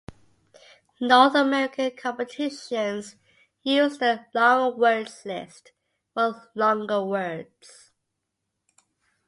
North American competitions use the "Long Words List" for longer words.